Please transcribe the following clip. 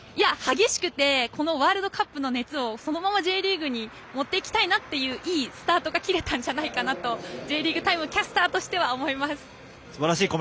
激しくてワールドカップの熱をそのままＪリーグに持っていきたいなといういいスタートが切れたんじゃないかと「Ｊリーグタイム」のキャスターとしては思います。